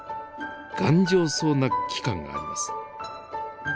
頑丈そうな器官があります。